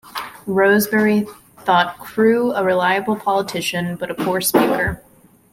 Rosebery thought Crewe a reliable politician but a poor speaker.